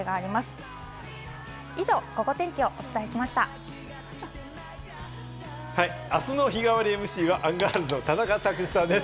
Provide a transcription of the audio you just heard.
あすの日替わりＭＣはアンガールズの田中卓志さんです。